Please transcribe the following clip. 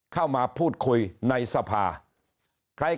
เข้ามาพูดคุยในสภาใคร